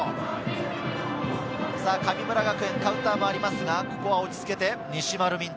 神村学園カウンターもありますが、ここは落ち着いて、西丸道人。